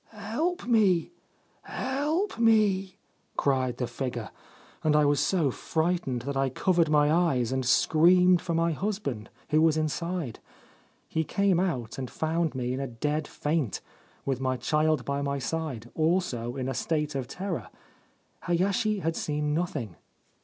" Help me ! help me !" cried the figure, and I was so frightened that I covered my eyes and screamed for my husband, who was inside. He came out and found me in a dead faint, with my child by my side, also in a state of terror. Hayashi had seen nothing.